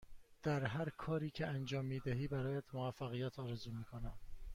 در هرکاری که انجام می دهی برایت موفقیت آرزو می کنم.